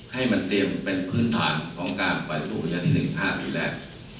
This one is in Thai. ให้มันเตรียมเป็นพื้นฐานของการบริลูกประชาชนิดหนึ่ง๕ปีแล้ว